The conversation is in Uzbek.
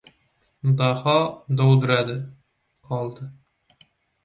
Daho dovdiradi-qoldi.